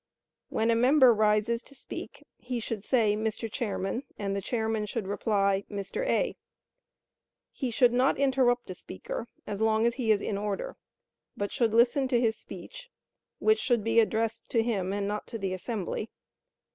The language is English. When a member rises to speak, he should say, "Mr. Chairman," and the chairman should reply, "Mr. A;" he should not interrupt a speaker as long as he is in order, but should listen to his speech, which should be addressed to him and not to the assembly.